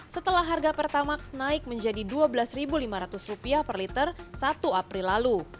setelah harga pertamax naik menjadi rp dua belas lima ratus per liter satu april lalu